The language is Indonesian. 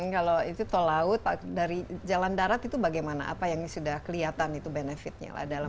kalau itu tolout pak dari jalan darat itu bagaimana apa yang sudah kelihatan itu benefitnya dalam penurunan